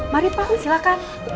mari pak silakan